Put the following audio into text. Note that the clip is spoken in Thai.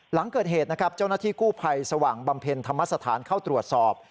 หลังเกิดเหตุนะครับเจ้าหน้าที่กู้ภัยสว่างบำเพ็ญธรรมสถานเข้าตรวจสอบ